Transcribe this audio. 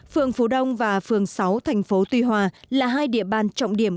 phường phú đông và phường sáu thành phố tuy hòa là hai địa bàn trọng điểm